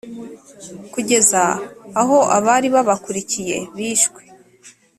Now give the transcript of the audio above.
kugeza aho abari babakurikiye bishwe